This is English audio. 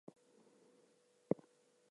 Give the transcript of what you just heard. Would you like to dance with her?